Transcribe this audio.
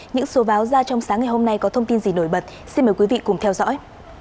những số báo ra trong sáng ngày hôm nay có thông tin gì nổi bật xin mời quý vị cùng theo dõi